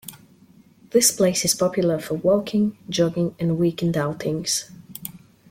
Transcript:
This place is popular for walking, jogging and weekend outings.